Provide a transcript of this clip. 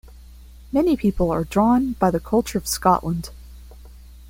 Many people are drawn by the culture of Scotland.